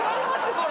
これ。